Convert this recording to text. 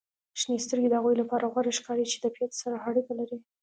• شنې سترګې د هغوی لپاره غوره ښکاري چې د طبیعت سره اړیکه لري.